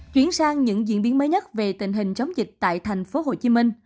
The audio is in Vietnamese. chuyển sang những diễn biến mới nhất về tình hình chống dịch tại tp hcm